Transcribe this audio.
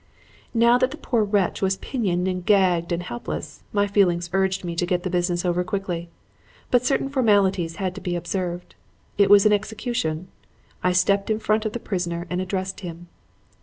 "Now that the poor wretch was pinioned and gagged and helpless, my feelings urged me to get the business over quickly. But certain formalities had to be observed. It was an execution. I stepped in front of the prisoner and addressed him.